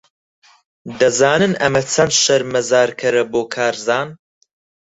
دەزانن ئەمە چەند شەرمەزارکەرە بۆ کارزان؟